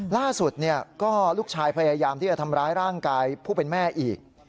ล่าสุดก็ลูกชายพยายามที่จะทำร้ายร่างกายผู้เป็นแม่อีก